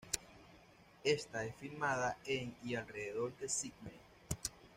Esta es filmada en y alrededor de Sídney.